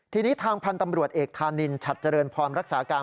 ทีนี้ทางพันธ์ตำรวจเอกธานินฉัดเจริญพรรักษาการ